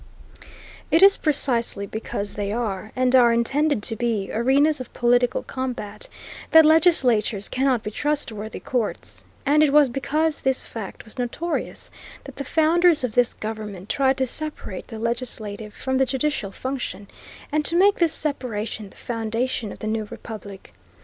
It is precisely because they are, and are intended to be, arenas of political combat, that legislatures cannot be trustworthy courts, and it was because this fact was notorious that the founders of this government tried to separate the legislative from the judicial function, and to make this separation the foundation of the new republic.